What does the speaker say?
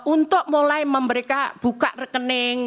untuk mulai memberikan buka rekening